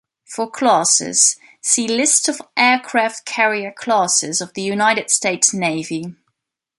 For classes, see list of aircraft carrier classes of the United States Navy.